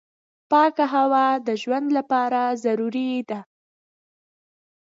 پاکه هوا د ژوند لپاره ضروري ده.